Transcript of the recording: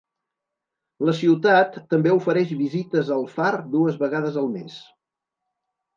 La ciutat també ofereix visites al far dues vegades al mes.